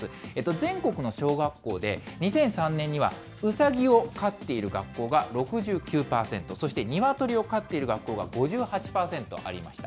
全国の小学校で、２００３年にはウサギを飼っている学校が６９％、そしてニワトリを飼っている学校が５８％ありました。